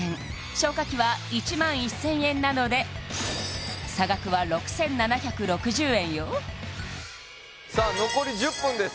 消火器は１万１０００円なので差額は６７６０円よさあ残り１０分です